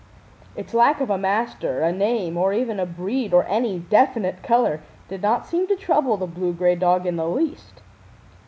Its lack of a master, a name, or even of a breed or any definite color did not seem to trouble the blue gray dog in the least.